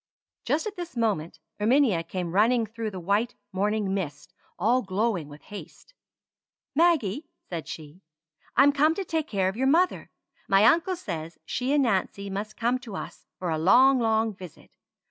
Just at this moment Erminia came running through the white morning mist all glowing with haste. "Maggie," said she, "I'm come to take care of your mother. My uncle says she and Nancy must come to us for a long, long visit.